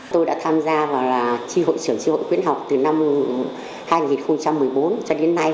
tôi đã tham gia vào là tri hội trưởng tri hội khuyến học từ năm hai nghìn một mươi bốn cho đến nay